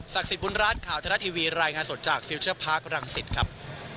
ศักดิ์สิทธิ์บุญรัชท์ข่าวทะเลาะทีวีรายงานสดจากซิลเชียร์พาร์ครังสิตครับ